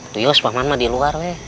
tuyus pamanma di luar weh